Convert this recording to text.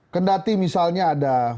kendati misalnya ada